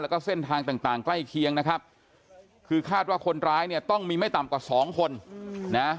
แล้วก็เส้นทางต่างใกล้เคียงนะครับคือคาดว่าคนร้ายเนี่ยต้องมีไม่ต่ำกว่าสองคนนะ